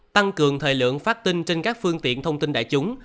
tăng cường thời lượng phát tin trên các phương tiện thông tin đại chúng